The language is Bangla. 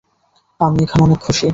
আমি এখন অনেক খুশি।